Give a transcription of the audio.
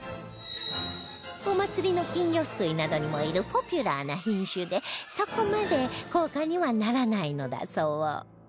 お祭りの金魚すくいなどにもいるポピュラーな品種でそこまで高価にはならないのだそう